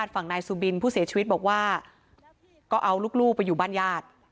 ฝั่งนายสุบินผู้เสียชีวิตบอกว่าก็เอาลูกไปอยู่บ้านญาติ